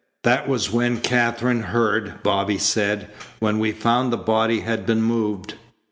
"That was when Katherine heard," Bobby said, "when we found the body had been moved."